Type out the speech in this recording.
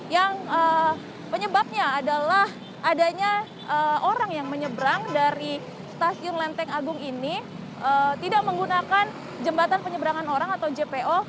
yang penyebabnya adalah adanya orang yang menyeberang dari stasiun lenteng agung ini tidak menggunakan jembatan penyeberangan orang atau jpo